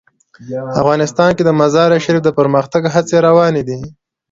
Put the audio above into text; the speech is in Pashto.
افغانستان کې د مزارشریف د پرمختګ هڅې روانې دي.